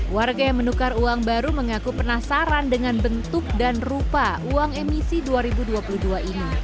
warga yang menukar uang baru mengaku penasaran dengan bentuk dan rupa uang emisi dua ribu dua puluh dua ini